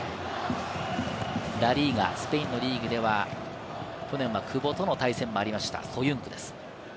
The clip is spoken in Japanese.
ラ・リーガ、スペインのリーグでは去年は久保とも対戦がありました、ソユンクです。